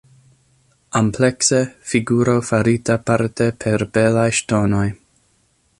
Amplekse, figuro farita parte per belaj ŝtonoj".